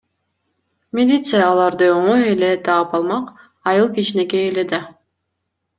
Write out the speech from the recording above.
Милиция аларды оңой эле таап алмак, айыл кичинекей эле да.